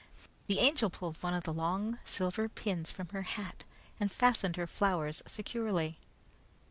The Angel pulled one of the long silver pins from her hat and fastened her flowers securely.